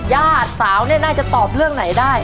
ญาติสาวเนี่ยน่าจะตอบเรื่องไหนได้